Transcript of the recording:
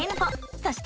そして。